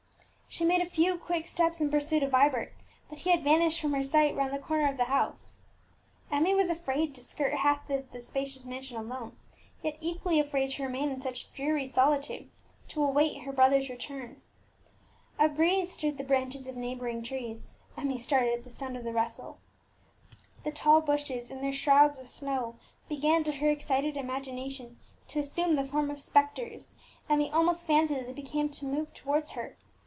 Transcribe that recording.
She made a few quick steps in pursuit of Vibert; but he had vanished from her sight round the corner of the house. Emmie was afraid to skirt half of the spacious mansion alone, yet equally afraid to remain in such dreary solitude, to await her brother's return. A breeze stirred the branches of neighbouring trees; Emmie started at the sound of the rustle. The tall bushes in their shrouds of snow began to her excited imagination to assume the form of spectres; Emmie almost fancied that they began to move towards her!